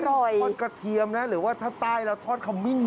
ทอดกระเทียมนะหรือว่าถ้าใต้เราทอดขมิ้น